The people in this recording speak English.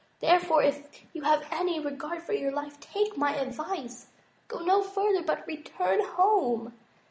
Therefore, if you have any regard for your life, take my advice. Go no further, but return home."